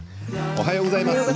おはようございます。